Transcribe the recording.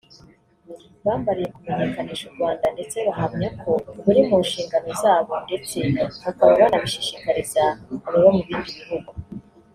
bambariye kumenyekanisha u Rwanda neza bahamya ko biri mu nshingano zabo ndetse bakaba banabishishikariza ababa mu bindi bihugu